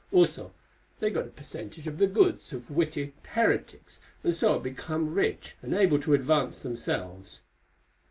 Also, they get a percentage of the goods of wicked heretics, and so become rich and able to advance themselves."